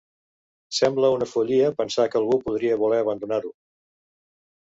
Sembla una follia pensar que algú podria voler abandonar-ho.